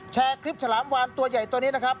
แชร์คลิปฉลามวานตัวใหญ่ตัวนี้นะครับ